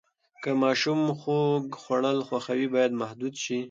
که ماشوم خواږه خوړل خوښوي، باید محدود شي.